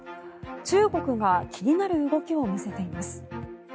中国が気になる動きを見せています。